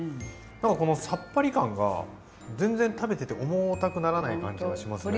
このさっぱり感が全然食べてて重たくならない感じがしますね。